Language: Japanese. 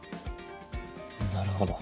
なるほど。